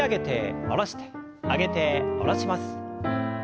上げて下ろします。